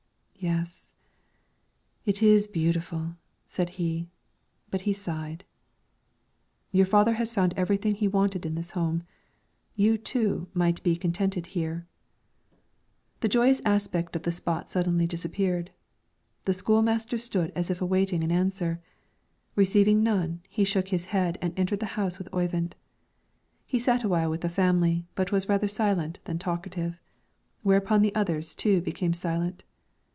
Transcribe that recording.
"Yes, it is beautiful," said he, but he sighed. "Your father has found everything he wanted in this home; you, too, might be contented here." The joyous aspect of the spot suddenly disappeared. The school master stood as if awaiting an answer; receiving none, he shook his head and entered the house with Oyvind. He sat a while with the family, but was rather silent than talkative, whereupon the others too became silent.